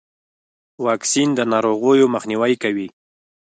واکسین د ناروغیو مخنیوی کوي.